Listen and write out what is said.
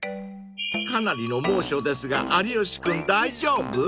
［かなりの猛暑ですが有吉君大丈夫？］